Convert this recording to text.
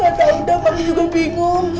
gak tahu nek saya juga bingung